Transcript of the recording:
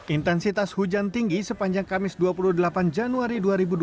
intensitas hujan tinggi sepanjang kamis dua puluh delapan januari dua ribu dua puluh